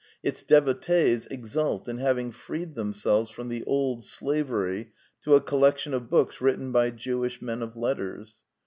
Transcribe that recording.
Its devotees exult in having freed them selves from the old slavery to a collection of books written by Jewish men of letters.